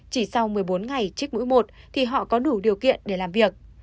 chỉ sau một mươi bốn ngày trích mũi một thì họ có đủ điều kiện để làm việc